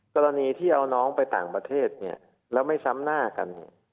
กรณีที่เอาน้องไปต่างประเทศเนี่ยแล้วไม่ซ้ำหน้ากันเนี่ย